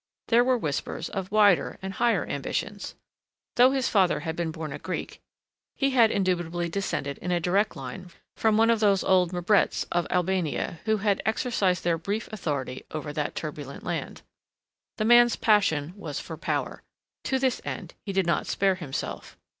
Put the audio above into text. There were whispers of wider and higher ambitions. Though his father had been born a Greek, he had indubitably descended in a direct line from one of those old Mprets of Albania, who had exercised their brief authority over that turbulent land. The man's passion was for power. To this end he did not spare himself.